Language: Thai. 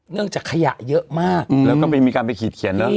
เนื่องจากขยะเยอะมากแล้วก็มีการไปขีดเขียนเนอะ